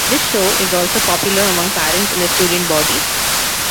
This show is also popular among parents and the student body.